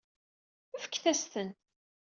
Fket-as-tent.